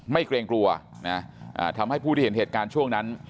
เกรงกลัวนะทำให้ผู้ที่เห็นเหตุการณ์ช่วงนั้น